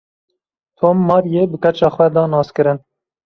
Tom, Maryê bi keça xwe da naskiririn.